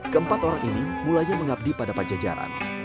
keempat orang ini mulanya mengabdi pada pajajaran